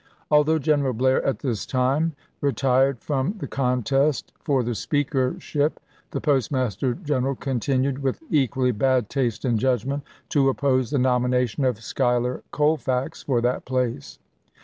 Although General Blair at this time retired from the contest for the speakership, the Postmaster General continued, with equally bad taste and judgment, to oppose the nomination of Schuyler Colfax for that place.